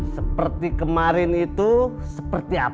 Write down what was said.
seperti kemarin itu seperti apa